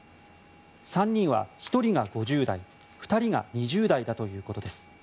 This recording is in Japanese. ３人は１人が５０代２人が２０代だということです。